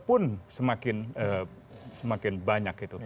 dua puluh satu dua puluh dua pun semakin banyak